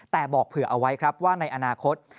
แต่บอกเผื่อเอาไว้ครับว่าในอนาคต